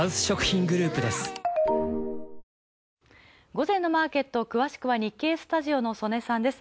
午前のマーケット、詳しくは日経スタジオの曽根さんです。